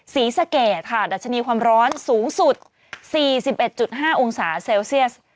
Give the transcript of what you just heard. ศรีสะเกดค่ะดัชนีความร้อนสูงสุด๔๑๕องศาเซลเซียส